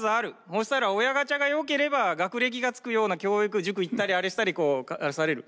そしたら親ガチャがよければ学歴がつくような教育塾行ったりあれしたりされる。